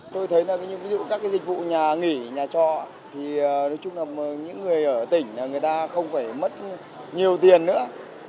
tôi thấy là các dịch vụ nhà nghỉ nhà trọ thì nói chung là những người ở tỉnh người ta không phải mất nhiều tiền nữa